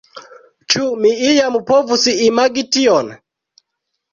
Ĉu mi iam povus imagi tion?